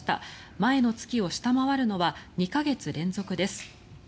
前の月を下回るのは２か月連続です。